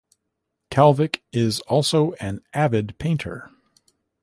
Kalvik is also an avid painter.